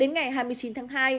đến ngày hai mươi chín tháng hai